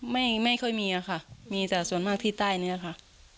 ไม่ค่อยมีอะค่ะมีแต่ส่วนมากที่ใต้นี้ค่ะ